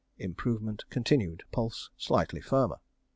Improvement continued. Pulse slightly firmer.